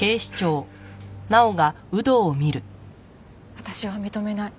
私は認めない。